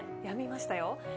やみましたよ。